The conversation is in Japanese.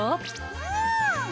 うん！